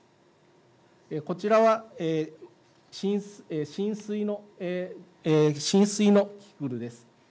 こちらは浸水のキキクルです。